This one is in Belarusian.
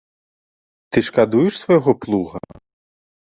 Ты шкадуеш свайго плуга?